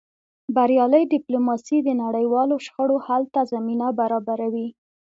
بریالۍ ډیپلوماسي د نړیوالو شخړو حل ته زمینه برابروي.